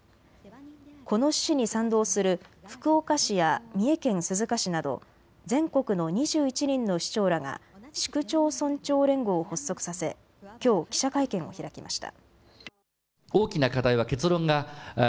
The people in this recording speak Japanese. この趣旨に賛同する福岡市や三重県鈴鹿市など全国の２１人の市長らが市区町村長連合を発足させきょう記者会見を開きました。